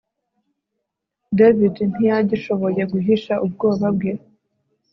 David ntiyagishoboye guhisha ubwoba bwe